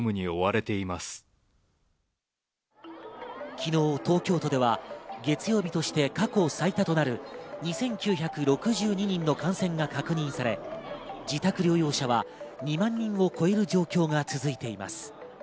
昨日、東京都では月曜日として過去最多となる２９６２人の感染が確認され、自宅療養者は２万人を超える状況が続いています。